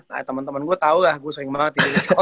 nah temen temen gue tau lah gue sering banget tidur di sekolah